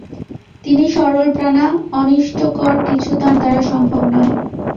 তিনি সরলপ্রাণা, অনিষ্টকর কিছু তাঁর দ্বারা সম্ভব নয়।